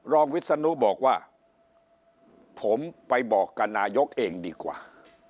รองวิจารณูบอกว่าผมไปบอกกับนายกเองดีกว่า